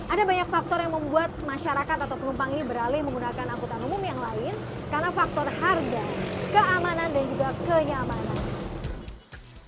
ada banyak faktor yang membuat masyarakat atau penumpang ini beralih menggunakan angkutan umum yang lain karena faktor harga keamanan dan juga kenyamanan